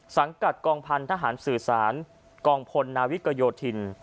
สังกัดกองพันธหารสื่อสารกองพลนาวิกโยธิน